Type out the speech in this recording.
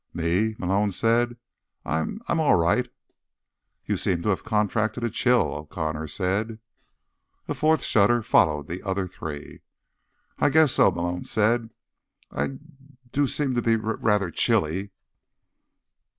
"Me?" Malone said. "I'm—I'm all right." "You seem to have contracted a chill," O'Connor said. A fourth shudder followed the other three. "I—guess so," Malone said. "I d d—I do s seem to be r r rather chilly."